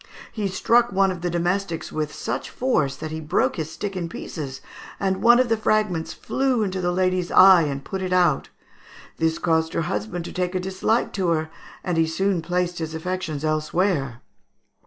He struck one of the domestics with such force that he broke his stick in pieces, and one of the fragments flew into the lady's eye and put it out. This caused her husband to take a dislike to her, and he soon placed his affections elsewhere."